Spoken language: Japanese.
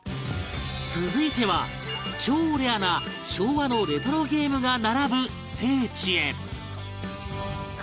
続いては超レアな昭和のレトロゲームが並ぶ聖地へ